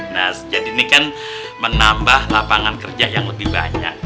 nah jadi ini kan menambah lapangan kerja yang lebih banyak